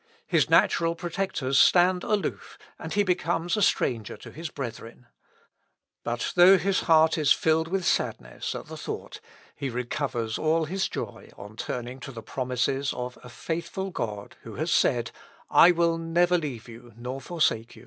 His natural protectors stand aloof, and he becomes a stranger to his brethren. But though his heart is filled with sadness at the thought, he recovers all his joy on turning to the promises of a faithful God, who has said, "I will never leave you nor forsake you."